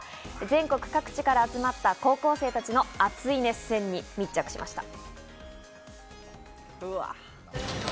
全国各地から集まった高校生たちの熱い熱戦に密着しました。